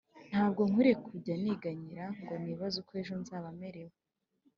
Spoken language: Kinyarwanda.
ntabwo nkwiye kujya niganyira ngo nibaze uko ejo nzaba merewe